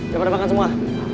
gak ada makan semua